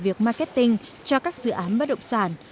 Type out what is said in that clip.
việc marketing cho các dự án bất động sản